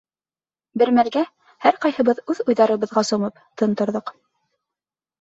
Бер мәлгә, һәр ҡайһыбыҙ үҙ уйҙарыбыҙға сумып, тын торҙоҡ.